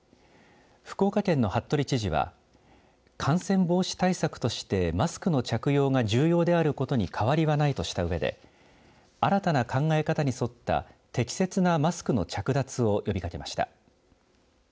福岡県の服部知事は感染防止対策としてマスクの着用が重要であることに変わりはないとしたうえで新たな考え方に沿った適切なマスクの着脱を呼びかけました。